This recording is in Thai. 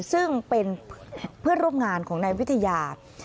ซึ่งเป็นเพื่อนร่วมงานของนายวิทยา